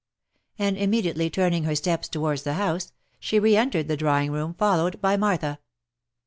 And immediately turn ing her steps towards the house, she re entered the drawing room, fol lowed by Martha.